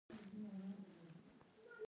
غیرت د وطن په وینو خړوب شوی دی